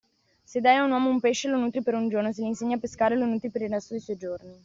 Se dai a un uomo un pesce lo nutri per un giorno, se gli insegni a pescare lo nutri per il resto dei suoi giorni.